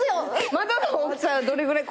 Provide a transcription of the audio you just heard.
窓の大きさはどれぐらい？